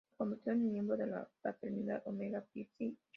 Se convirtió en miembro de la fraternidad Omega Psi Phi.